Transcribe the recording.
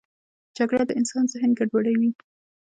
جګړه د انسان ذهن ګډوډوي